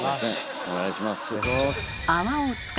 お願いします。